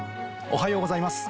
おはようございます。